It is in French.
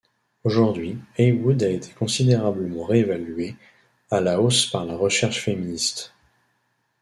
Aujourd’hui, Haywood a été considérablement réévaluée à la hausse par la recherche féministe.